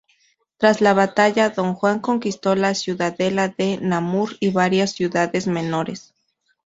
Tras la batalla Don Juan conquistó la ciudadela de Namur y varias ciudades menores.